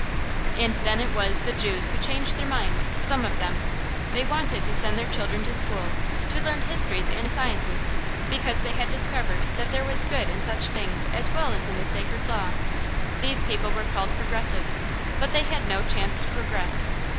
And then it was the Jews who changed their minds some of them. They wanted to send their children to school, to learn histories and sciences, because they had discovered that there was good in such things as well as in the Sacred Law. These people were called progressive, but they had no chance to progress.